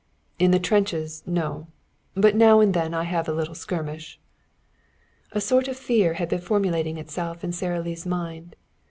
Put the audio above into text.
"In the trenches no. But now and then I have a little skirmish." A sort of fear had been formulating itself in Sara Lee's mind.